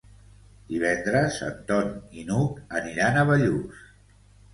Divendres en Ton i n'Hug aniran a Bellús.